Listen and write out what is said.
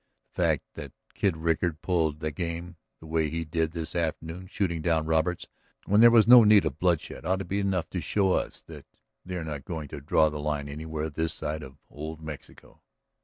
The fact that Kid Rickard pulled the game the way he did this afternoon, shooting down Roberts when there was no need of bloodshed, ought to be enough to show us that they are not going to draw the line anywhere this side of old Mexico."